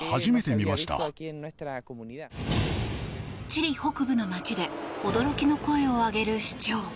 チリ北部の街で驚きの声を上げる市長。